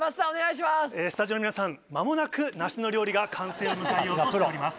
スタジオの皆さん間もなく梨の料理が完成を迎えようとしております。